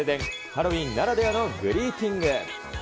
ハロウィーンならではのグリーティング。